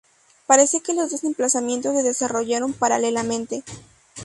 Parece que los dos emplazamientos se desarrollaron paralelamente.